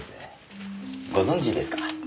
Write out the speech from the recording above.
ご存じですか？